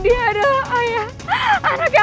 kau akan mati